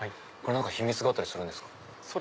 何か秘密があったりするんですか？